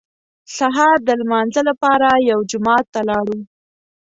سهار د لمانځه لپاره یو جومات ته لاړو.